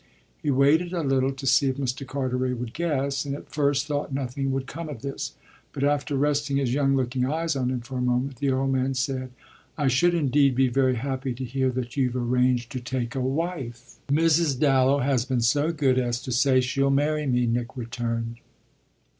He waited a little to see if Mr. Carteret would guess, and at first thought nothing would come of this. But after resting his young looking eyes on him for a moment the old man said: "I should indeed be very happy to hear that you've arranged to take a wife." "Mrs. Dallow has been so good as to say she'll marry me," Nick returned.